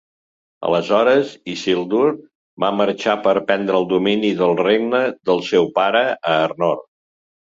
Aleshores Isildur va marxar per prendre el domini del regne del seu pare a Arnor.